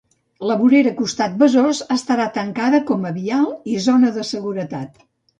La vorera costat Besòs estarà tancada com a vial i zona de seguretat.